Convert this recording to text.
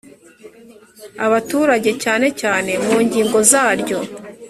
abaturage cyane cyane mu ngingo zaryo